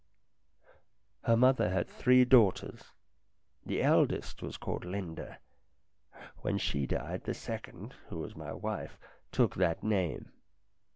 " Her mother had three daughters. The eldest was called Linda. When she died, the second, who was my wife, took that name.